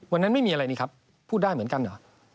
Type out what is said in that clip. ไม่มีอะไรนี่ครับพูดได้เหมือนกันเหรอ